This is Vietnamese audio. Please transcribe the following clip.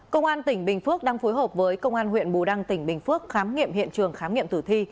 công an tỉnh bình phước đang phối hợp với công an huyện bù đăng tỉnh bình phước khám nghiệm hiện trường khám nghiệm tử thi